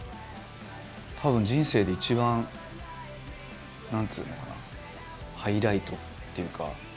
多分人生で一番何つうのかなハイライトっていうか。